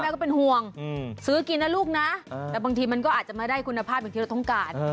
ก็เป็นห่วงซื้อกินนะลูกนะแต่บางทีมันก็อาจจะไม่ได้คุณภาพอย่างที่เราต้องการ